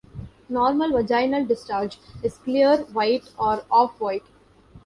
Normal vaginal discharge is clear, white, or off-white.